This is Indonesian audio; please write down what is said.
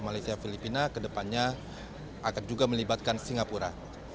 malaysia filipina kedepannya akan juga melibatkan singapura